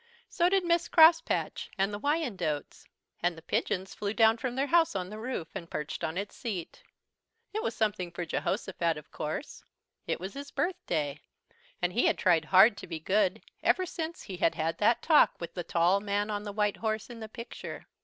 So did Miss Crosspatch and the Wyandottes; and the pigeons flew down from their house on the roof and perched on its seat. It was something for Jehosophat, of course. It was his birthday, and he had tried hard to be good ever since he had had that talk with the tall man on the white horse in the picture.